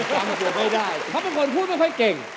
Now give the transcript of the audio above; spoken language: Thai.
เขาเป็นคนพูดไม่ค่อยเก่ง